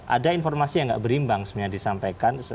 ada informasi yang nggak berimbang sebenarnya disampaikan